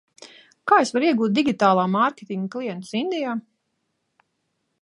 Kā es varu iegūt digitālā mārketinga klientus Indijā?